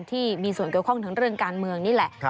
ที่มีส่วนเกี่ยวข้องทั้งเรื่องการเมืองนี่แหละ